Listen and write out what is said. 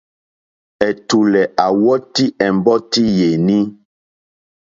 Ɛ̀tùlɛ̀ à wɔ́tì ɛ̀mbɔ́tí yèní.